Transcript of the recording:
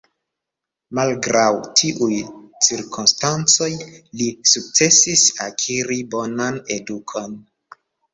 Malgraŭ tiuj cirkonstancoj, li sukcesis akiri bonan edukon.